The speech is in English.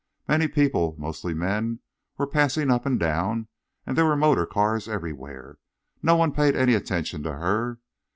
Many people, mostly men, were passing up and down, and there were motor cars everywhere. No one paid any attention to her.